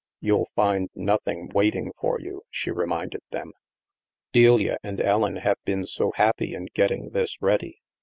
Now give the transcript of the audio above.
*' You'll find nothing waiting for you," she re minded them. " Delia and Ellen have been so happy in getting this ready.